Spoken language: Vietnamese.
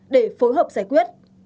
để phối hợp giải quyết